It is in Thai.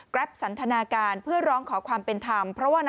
สันทนาการเพื่อร้องขอความเป็นธรรม